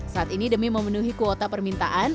saat ini demi memenuhi kuota permintaan